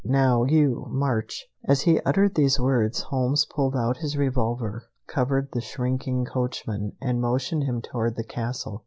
Now you, march!" As he uttered these words, Holmes pulled out his revolver, covered the shrinking coachman, and motioned him toward the castle.